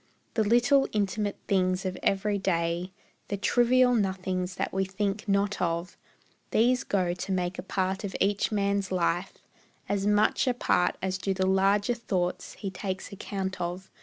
The little intimate things of every day, The trivial nothings that we think not of, These go to make a part of each man's life; As much a part as do the larger thoughts He takes account of.